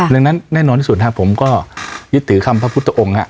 ดังนั้นแน่นอนที่สุดครับผมก็ยึดถือคำพระพุทธองค์